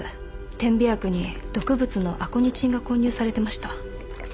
点鼻薬に毒物のアコニチンが混入されてました。